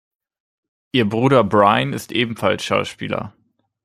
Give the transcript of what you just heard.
Ihr Bruder Bryan ist ebenfalls Schauspieler.